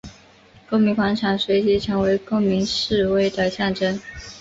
公民广场随即成为公民示威的象征。